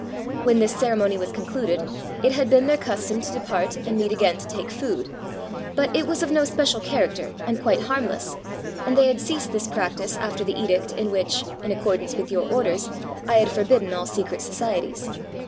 When this ceremony was concluded, it had been their custom to depart and meet again to take food, but it was of no special character and quite hannless, and they had ceased this practice after the edict in which, in accordance with your orders, I had forbidden all secret societies.